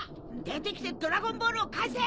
出てきてドラゴンボールを返せ！